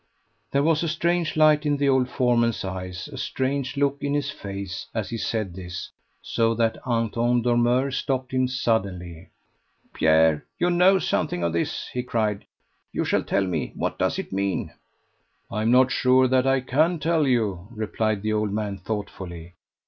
There was a strange light in the old foreman's eyes, a strange look in his face, as he said this, so that Anton Dormeur stopped him suddenly. "Pierre, you know something of this," he cried. "You shall tell me what does it mean?" "I am not sure that I can tell you," replied the old man thoughtfully.